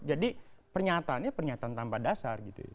jadi pernyataannya pernyataan tanpa dasar gitu ya